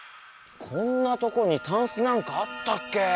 こんなとこにタンスなんかあったっけ？